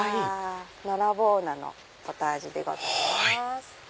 のらぼう菜のポタージュでございます。